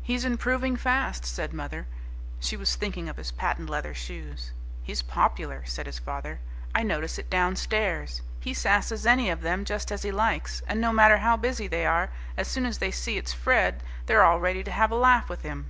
"He's improving fast," said mother. She was thinking of his patent leather shoes. "He's popular," said his father. "I notice it downstairs. He sasses any of them just as he likes; and no matter how busy they are, as soon as they see it's Fred they're all ready to have a laugh with him."